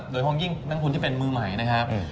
โดยห้องยิ่งนักทุนที่เป็นมือใหม่นะครับ